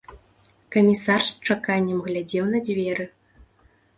Камісар з чаканнем глядзеў на дзверы.